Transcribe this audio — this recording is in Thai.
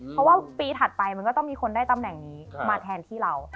เพราะว่าปีถัดไปมันก็ต้องมีคนได้ตำแหน่งนี้มาแทนที่เรา